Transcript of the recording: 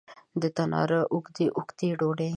د تناره اوږدې، اوږدې ډوډۍ